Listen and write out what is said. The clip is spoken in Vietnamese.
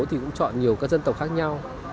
thì cũng chọn nhiều các dân tộc khác nhau